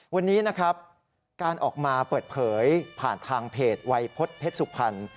วันนี้นะครับการออกมาเปิดเผยผ่านทางเพจวัยพฤษเพชรสุพรรณ